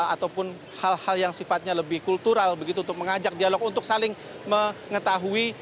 ataupun hal hal yang sifatnya lebih kultural begitu untuk mengajak dialog untuk saling mengetahui